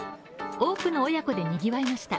多くの親子でにぎわいました。